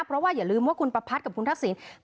เพราะว่าอย่าลืมว่าคุณประพัทธ์กับคุณทักษิณ